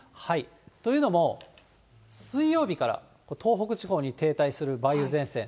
というのも、水曜日から東北地方に停滞する梅雨前線。